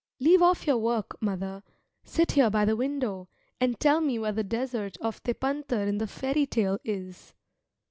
Leave off your work, mother; sit here by the window and tell me where the desert of Tepântar in the fairy tale is?